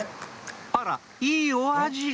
「あらいいお味」